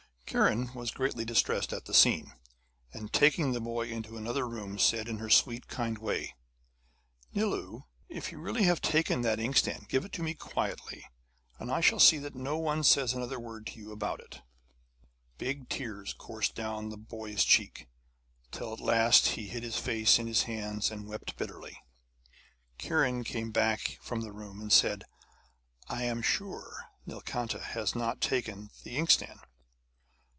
Kiran was greatly distressed at the scene, and taking the boy into another room said in her sweet, kind way: 'Nilu, if you really have taken that inkstand give it to me quietly, and I shall see that no one says another word to you about it.' Big tears coursed down the boy's cheeks, till at last he hid his face in his hands, and wept bitterly. Kiran came back from the room, and said: 'I am sure Nilkanta has not taken the inkstand.'